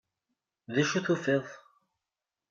D acu tufiḍ?